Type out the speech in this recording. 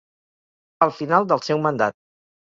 Al final del seu mandat.